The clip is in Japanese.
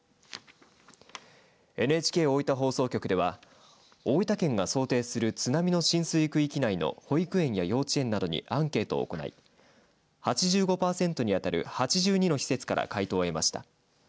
ＮＨＫ大分放送局では大分県が想定する津波の浸水区域内の保育園や幼稚園などにアンケートを行い８５パーセントにあたる８２の施設から回答を得ました。